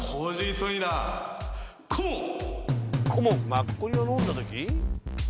「マッコリを飲んだ時？」